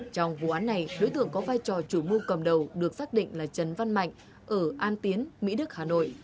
trong vụ án này đối tượng có vai trò chủ mưu cầm đầu được xác định là trần văn mạnh ở an tiến mỹ đức hà nội